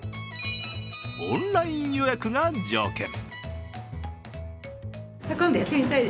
オンライン予約が条件。